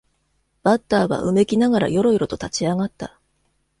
バッターはうめきながらよろよろと立ち上がった